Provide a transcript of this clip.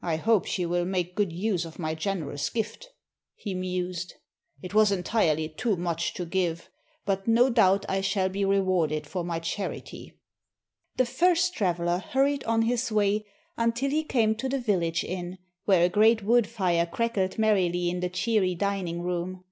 "I hope she will make good use of my generous gift," he mused. "It was entirely too much to give, but no doubt I shall be rewarded for my charity." The first traveler hurried on his way until he came to the village inn, where a great wood fire crackled merrily in the cheery dining room.